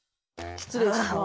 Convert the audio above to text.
失礼します。